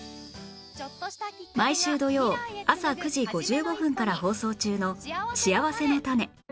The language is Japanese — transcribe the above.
毎週土曜あさ９時５５分から放送中の『しあわせのたね。』